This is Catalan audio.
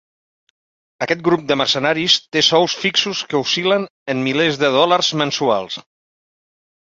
Aquest grup de mercenaris té sous fixos que oscil·len en milers de dòlars mensuals.